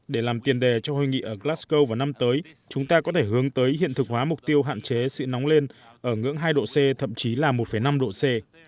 để làm tiền đề cho hội nghị ở glasgow vào năm tới chúng ta có thể hướng tới hiện thực hóa mục tiêu hạn chế sự nóng lên ở ngưỡng hai độ c thậm chí là một năm độ c